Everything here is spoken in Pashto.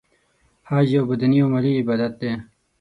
حج یو بدنې او مالی عبادت دی .